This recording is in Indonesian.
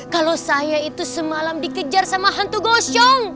kalau saya itu semalam dikejar sama hantu gosong